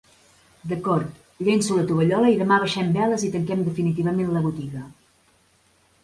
D'acord. Llenço la tovallola i demà abaixem veles i tanquem definitivament la botiga.